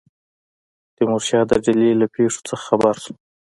تیمورشاه د ډهلي له پیښو څخه خبر شو.